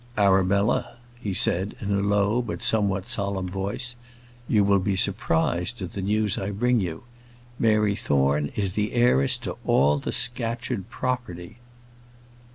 "Arabella," he said, in a low, but somewhat solemn voice, "you will be surprised at the news I bring you. Mary Thorne is the heiress to all the Scatcherd property!"